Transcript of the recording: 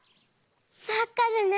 まっかでね。